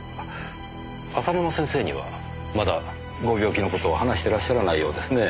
浅沼先生にはまだご病気の事を話してらっしゃらないようですね。